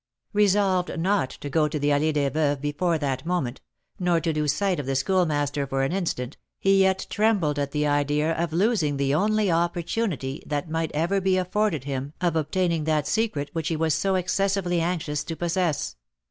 Resolved not to go to the Allée des Veuves before that moment, nor to lose sight of the Schoolmaster for an instant, he yet trembled at the idea of losing the only opportunity that might ever be afforded him of obtaining that secret which he was so excessively anxious to possess.